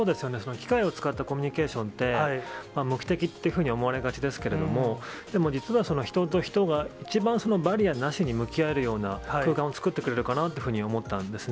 機械を使ったコミュニケーションって、目的というふうに思われがちですけれども、でも実は、人と人が一番バリアなしに向き合えるような空間を作ってくれるかなっていうふうに思ったんですね。